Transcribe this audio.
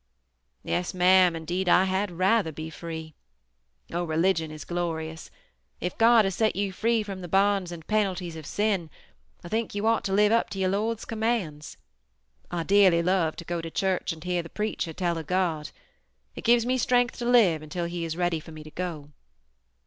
"Yes Mam, indeed I had rather be free. Oh! religion is glorious. If God has set you free from the bonds and penalties of sin, I think you ought to live up to your Lord's commands. I dearly love to go to church and hear the preacher tell of God. It gives me strength to live until He is ready for me to go.